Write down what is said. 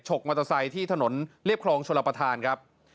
กมอเตอร์ไซค์ที่ถนนเรียบคลองชลประธานครับ